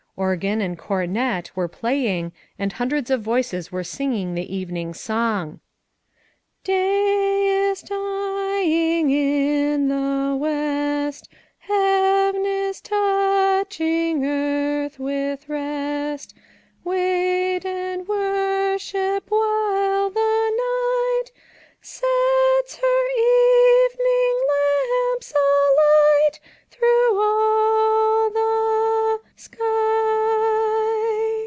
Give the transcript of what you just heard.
Organ and cornet were playing and hundreds of voices were singing the evening song: FOUR MOTHERS AT CHAUTAUQUA 133 "Day is dying in the west, Heaven is touching earth with rest; Wait and worship while the night Sets her evening lamps alight Through all the sky."